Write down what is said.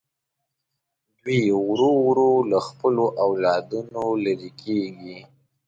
دوی ورو ورو له خپلو اولادونو لرې کېږي.